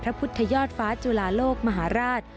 พุทธยอดฟ้าจุลาโลกมหาราช